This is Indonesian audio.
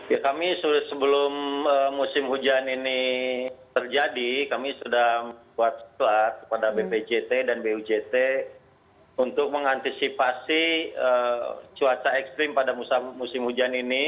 ya kami sebelum musim hujan ini terjadi kami sudah membuat plat kepada bpjt dan bujt untuk mengantisipasi cuaca ekstrim pada musim hujan ini